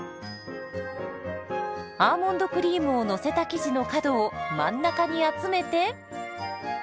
アーモンドクリームをのせた生地の角を真ん中に集めて。